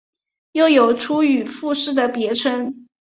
又有出羽富士的别称。